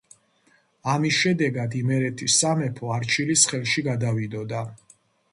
ამის შედეგად იმერეთის სამეფო არჩილის ხელში გადავიდოდა.